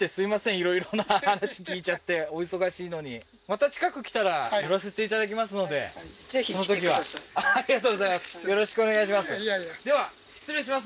いろいろな話聞いちゃってお忙しいのにまた近く来たら寄らせていただきますのでぜひ来てくださいありがとうございますよろしくお願いしますでは失礼します